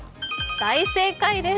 大正解です。